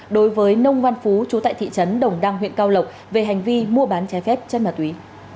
đối với nông văn phú chú tại thị trấn đồng đăng huyện cao lộc về hành vi mua bán trái phép chất ma túy